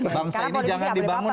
bangsa ini jangan dibangun